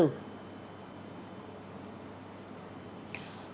một vụ trộm cắp tài sản